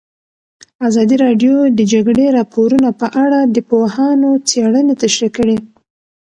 ازادي راډیو د د جګړې راپورونه په اړه د پوهانو څېړنې تشریح کړې.